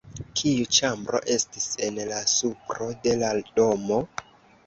Kiu ĉambro estis en la supro de la domo?